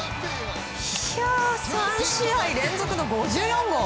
３試合連続の５４号。